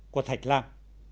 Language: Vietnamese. của thạch lam